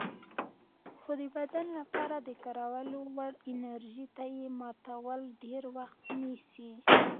خو د بدن لپاره د کارولو وړ انرژي ته یې ماتول ډېر وخت نیسي.